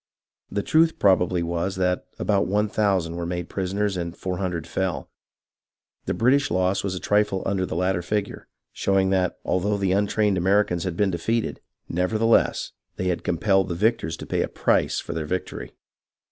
The truth probably was that about one thousand were made prisoners and four hundred fell. The British loss was a trifle under the latter figure, showing that, although the untrained Americans had been defeated, nevertheless they 114 HISTORY OF THE AMERICAN REVOLUTION had compelled the victors to pay a price for their victory.